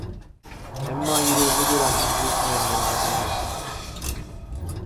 Emma ýüregimde dörän ünji menden aýrylmaýar.